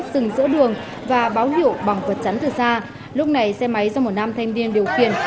từng giữa đường và báo hiệu bằng vật chắn từ xa lúc này xe máy do một nam thanh niên điều khiển